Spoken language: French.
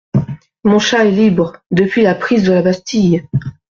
Mon chat est libre… depuis la prise de la Bastille !